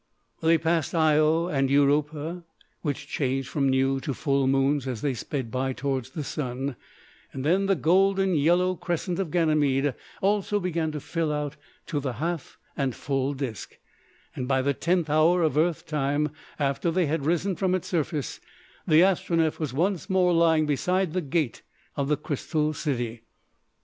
They passed Io and Europa, which changed from new to full moons as they sped by towards the Sun, and then the golden yellow crescent of Ganymede also began to fill out to the half and full disc, and by the tenth hour of Earth time, after they had risen from its surface, the Astronef was once more lying beside the gate of the Crystal City.